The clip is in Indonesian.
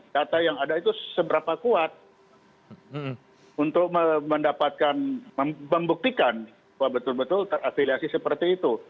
data yang ada itu seberapa kuat untuk mendapatkan membuktikan bahwa betul betul terafiliasi seperti itu